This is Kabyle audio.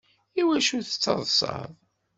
Iwacu tettaḍsaḍ?